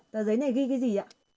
tờ giấy này ghi cái gì ạ